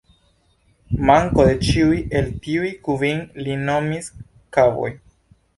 Manko de ĉiu el tiuj kvin li nomis "kavoj".